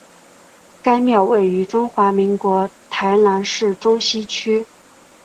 该庙位于中华民国台南市中西区。